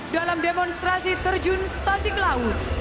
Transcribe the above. dalam demonstrasi terjun statik laut